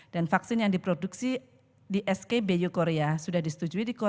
dan vaksin yang diproduksi di skbu korea sudah disetujui di korea